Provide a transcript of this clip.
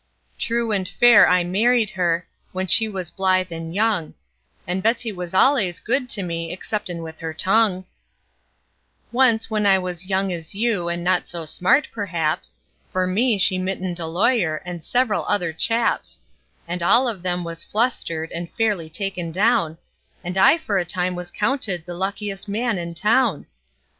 True and fair I married her, when she was blithe and young; And Betsey was al'ays good to me, exceptin' with her tongue. [ image not found: CarleFarmB 19, CarleFarmB 19 ] Once, when I was young as you, and not so smart, perhaps, For me she mittened a lawyer, and several other chaps; And all of them was flustered, and fairly taken down, And I for a time was counted the luckiest man in town.